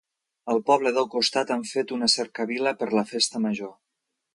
Al poble del costat han fet una cercavila per la festa major.